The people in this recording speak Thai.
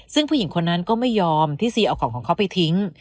ซึ่งผู้หญิงคนนั้นก็ไม่ยอมที่ซีเอาของของเขาไปทิ้ง